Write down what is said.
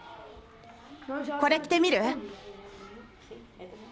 これ着てみる？